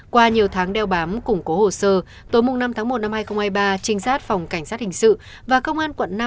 qua nhiều tháng đeo bám củng cố hồ sơ tối năm tháng một năm hai nghìn hai mươi ba trinh sát phòng cảnh sát hình sự và công an quận năm